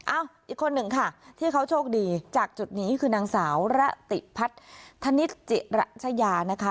อีกคนหนึ่งค่ะที่เขาโชคดีจากจุดนี้คือนางสาวระติพัฒนิกจิรัชยานะคะ